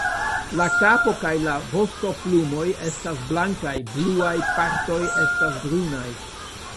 La kapo kaj la vostoplumoj estas blankaj, pluaj partoj estas brunaj.